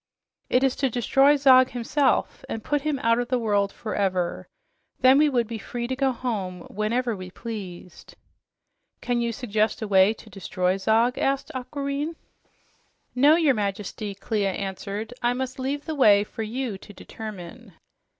"It is to destroy Zog himself and put him out of the world forever. Then we would be free to go home whenever we pleased." "Can you suggest a way to destroy Zog?" asked Aquareine. "No, your Majesty," Clia answered. "I must leave the way for you to determine."